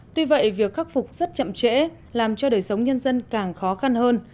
tuy vậy việc khắc phục rất chậm trễ làm cho đời sống nhân dân càng khó khăn hơn